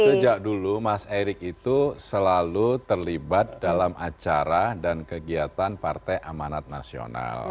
sejak dulu mas erick itu selalu terlibat dalam acara dan kegiatan partai amanat nasional